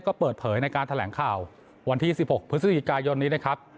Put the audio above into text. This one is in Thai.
ก็เปิดเผยในการแถลงข่าววันที่๑๖พฤศจิกายนนี้นะครับ